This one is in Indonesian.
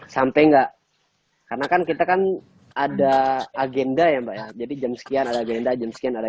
sampai enggak karena kan kita kan ada agenda ya mbak ya jadi jam sekian ada agenda jam sekian ada